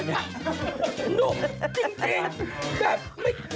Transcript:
นุ่มจริงแบบไม่คิด